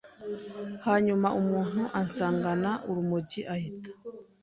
hanyura umuntu ansangana urumogi ahita